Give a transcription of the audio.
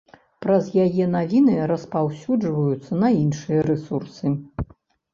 Праз яе навіны распаўсюджваюцца на іншыя рэсурсы.